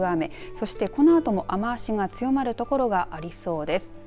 そして、このあとも雨足が強まる所がありそうです。